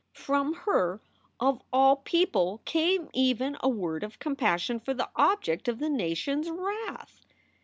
From her, of all people, came even a word of compassion for the object of the nation s wrath.